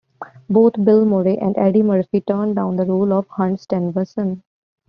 Both Bill Murray and Eddie Murphy turned down the role of Hunt Stevenson.